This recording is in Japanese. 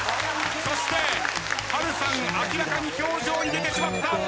そして波瑠さん明らかに表情に出てしまった。